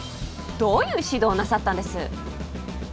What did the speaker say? どういう指導をなさったんです？